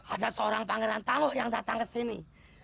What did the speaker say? ada seorang pangeran tangguh yang datang ke sini